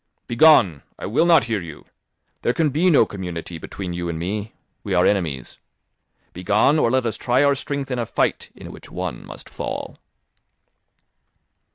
"Begone! I will not hear you. There can be no community between you and me; we are enemies. Begone, or let us try our strength in a fight, in which one must fall."